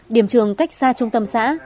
điểm trường cách xa trung tâm xã